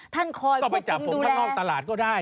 ท่านคอยควบคุมดูแลก็ไปจับผมข้างนอกตลาดก็ได้